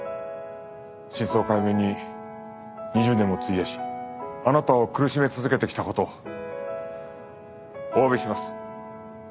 真相解明に２０年も費やしあなたを苦しめ続けてきた事おわびします。